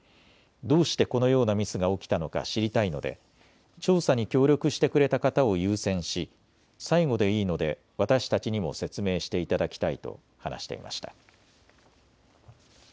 どうしてこのようなミスが起きたのか知りたいので調査に協力してくれた方を優先し、最後でいいので私たちにも説明していただきたいと話していました。